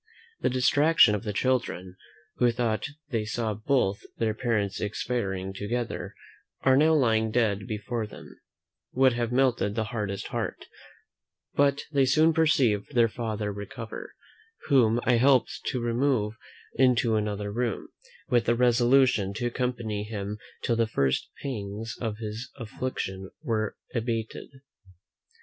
The distraction of the children, who thought they saw both their parents expiring together, and now lying dead before them, would have melted the hardest heart; but they soon perceived their father recover, whom I helped to remove into another room, with a resolution to accompany him till the first pangs of his affliction were abated.